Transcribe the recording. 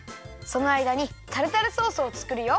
そのあいだにタルタルソースをつくるよ。